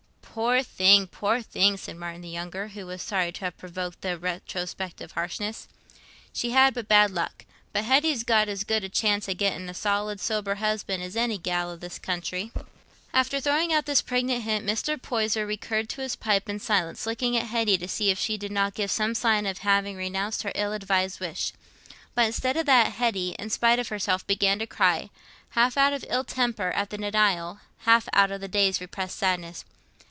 "Poor thing, poor thing!" said Martin the younger, who was sorry to have provoked this retrospective harshness. "She'd but bad luck. But Hetty's got as good a chance o' getting a solid, sober husband as any gell i' this country." After throwing out this pregnant hint, Mr. Poyser recurred to his pipe and his silence, looking at Hetty to see if she did not give some sign of having renounced her ill advised wish. But instead of that, Hetty, in spite of herself, began to cry, half out of ill temper at the denial, half out of the day's repressed sadness.